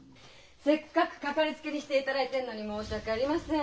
せっかく掛かりつけにしていただいているのに申し訳ありません。